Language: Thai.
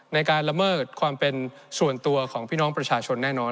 ในการละเมิดความเป็นส่วนตัวของพี่น้องประชาชนแน่นอน